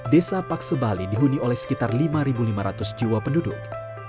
desa paksebali dihuni oleh sekitar lima lima ratus jiwa penduduk